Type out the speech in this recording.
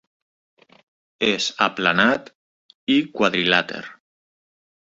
És aplanat i quadrilàter.